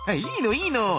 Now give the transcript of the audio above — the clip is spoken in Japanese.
いいのいいの。